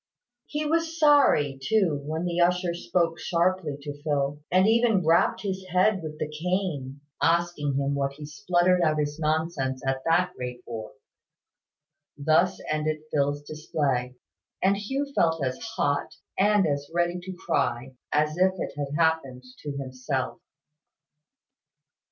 He was sorry too when the usher spoke sharply to Phil, and even rapped his head with the cane, asking him what he spluttered out his nonsense at that rate for. Thus ended Phil's display; and Hugh felt as hot, and as ready to cry, as if it had happened to himself.